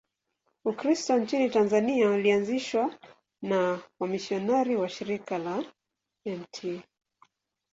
Ukristo nchini Tanzania ulianzishwa na wamisionari wa Shirika la Mt.